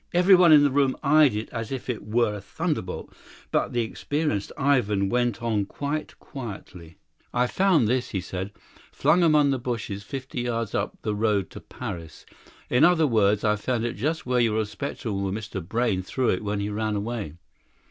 Everyone in the room eyed it as if it were a thunderbolt; but the experienced Ivan went on quite quietly: "I found this," he said, "flung among the bushes fifty yards up the road to Paris. In other words, I found it just where your respectable Mr. Brayne threw it when he ran away."